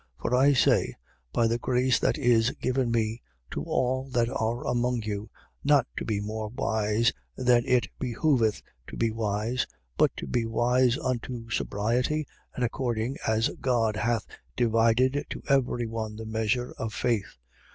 12:3. For I say, by the grace that is given me, to all that are among you, not to be more wise than it behoveth to be wise, but to be wise unto sobriety and according as God hath divided to every one the measure of faith.